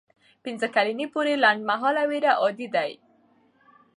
پنځه کلنۍ پورې لنډمهاله ویره عادي ده.